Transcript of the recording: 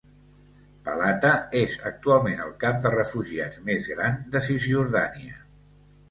Balata és actualment el camp de refugiats més gran de Cisjordània.